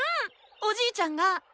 おじいちゃんが。